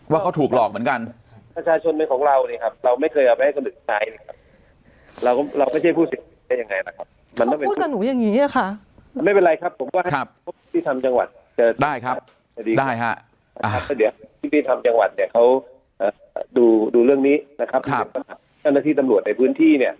ว่าเขาถูกหลอกเหมือนกัน